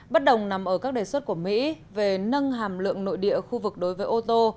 bất đồng nằm ở các đề xuất của mỹ về nâng hàm lượng nội địa khu vực đối với ô tô